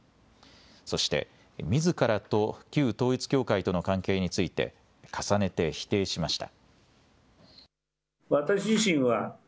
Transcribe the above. そして、みずからと旧統一教会との関係について重ねて否定しました。